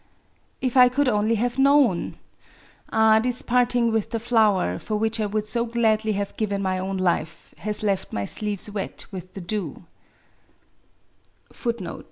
If I could only have known ! Ah^ this parting with the flow erf for which I would so gladly have given my own tifcy has lefi my sleeves wet with the dew